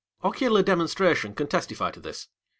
Ocular demonstration can testify to this.